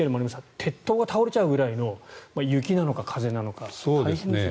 鉄塔が倒れちゃうぐらいの雪なのか風なのか大変ですね。